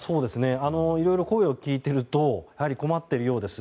いろいろ声を聞いているとやはり困っているようです。